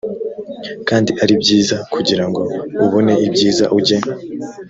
kandi ari byiza kugira ngo ubone ibyiza ujye